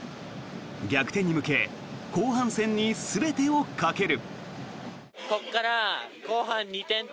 逆転に向け後半戦に全てをかける。